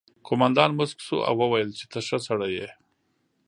قومندان موسک شو او وویل چې ته ښه سړی یې